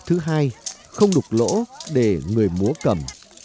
thứ hai không đục lỗ để người múa cầm